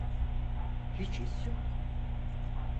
Hiç iz yok.